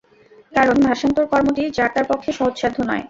কারণ, ভাষান্তর কর্মটি যার-তার পক্ষে সহজসাধ্য নয়।